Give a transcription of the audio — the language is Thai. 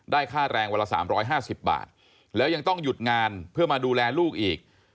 ค่าแรงวันละ๓๕๐บาทแล้วยังต้องหยุดงานเพื่อมาดูแลลูกอีก